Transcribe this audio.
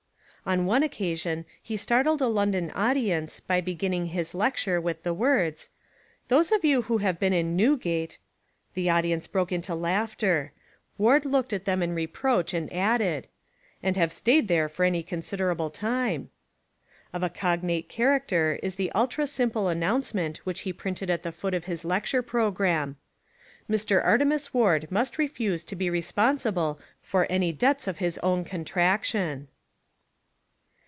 On one occa sion he startled a London audience by begin ning his lecture with the words, "Those of you who have been in Newgate," — the audience broke into laughter; Ward looked at them in reproach and added — "and have stayed there for any considerable time." Of a cognate char acter is the ultra simple announcement which he printed at the foot of his lecture programme : "Mr. Artemus Ward must refuse to be re sponsible for any debts of his own contraction."